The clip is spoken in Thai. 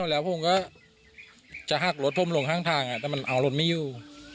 ผมเจอผมก็จะหักลดท่อลงทางแต่เอารถไม่อยู่